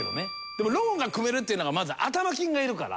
でもローンが組めるっていうのがまず頭金がいるから。